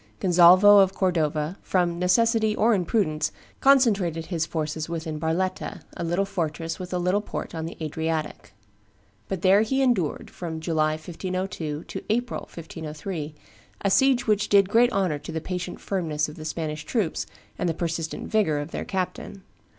Gonzalvo of Cordova, from necessity or in prudence, concentrated his forces within Barletta, a little fortress with a little port on the Adriatic; but he there endured, from July, 1502, to April, 1503, a siege which did great honor to the patient firmness of the Spanish troops and the persistent vigor of their captain.